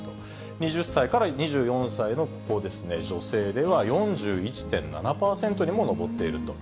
２０歳から２４歳のここですね、女性では４１．７％にも上っていると。